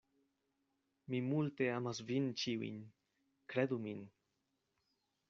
Mi multe amas vin ĉiujn; kredu min.